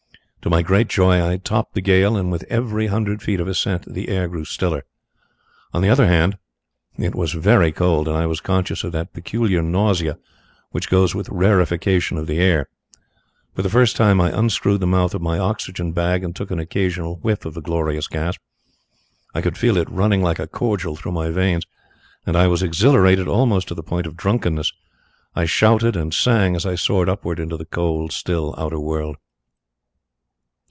To my great joy I had topped the gale, and with every hundred feet of ascent the air grew stiller. On the other hand, it was very cold, and I was conscious of that peculiar nausea which goes with rarefaction of the air. For the first time I unscrewed the mouth of my oxygen bag and took an occasional whiff of the glorious gas. I could feel it running like a cordial through my veins, and I was exhilarated almost to the point of drunkenness. I shouted and sang as I soared upwards into the cold, still outer world.